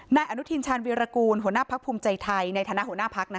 นายอนุทินชาญวิรากูลหัวหน้าพักภูมิใจไทยในฐานะหัวหน้าพัก